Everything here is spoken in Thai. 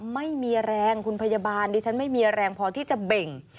ไม่มีแรงคุณพยาบาลดิฉันไม่มีแรงพอที่จะเบ่ง